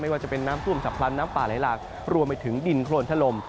ว่าจะเป็นน้ำท่วมฉับพลันน้ำป่าไหลหลากรวมไปถึงดินโครนถล่ม